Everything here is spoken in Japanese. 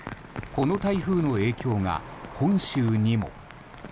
この台風の影響が本州にも。